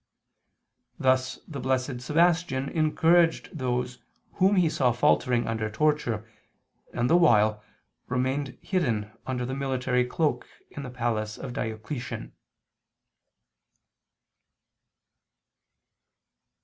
Thus the Blessed Sebastian encouraged those whom he saw faltering under torture, and, the while, remained hidden under the military cloak in the palace of Diocletian.